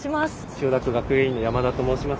千代田区学芸員の山田と申します。